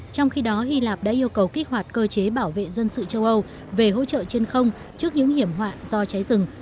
trong khi đó hy lạp đã yêu cầu kích hoạt cơ chế bảo vệ dân sự châu âu về hỗ trợ trên không trước những hiểm họa do cháy rừng